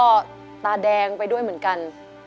ของพี่อุ๊ก็ตาแดงไปด้วยเหมือนกัน